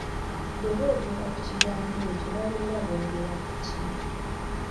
Bwe boogera ku kigambo ekyo babeera boogera ku ki?